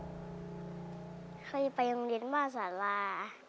เคยไปโรงเรียนว่าสารา